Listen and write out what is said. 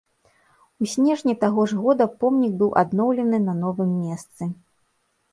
У снежні таго ж года помнік быў адноўлены на новым месцы.